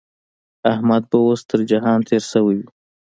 احمد به اوس تر جهان تېری شوی وي.